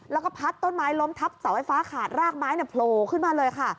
แล้วก็พัดต้นไม้ล้มทับเสาไฟฟ้าขาดรากไม้โผล่ขึ้นมาเลยค่ะ